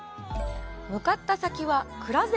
向かった先は、藏膳。